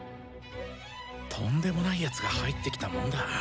とんでもない奴が入ってきたもんだ。